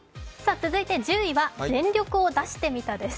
続いて１０位は全力を出してみたです。